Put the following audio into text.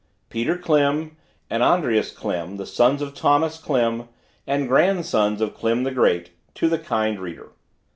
PETER KLIM AND ANDREAS KLIM, THE SONS OF THOMAS KLIM, AND GRANDSONS OF KLIM THE GREAT, TO THE KIND READER.